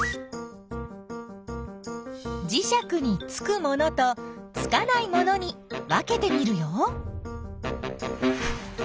じしゃくにつくものとつかないものに分けてみるよ。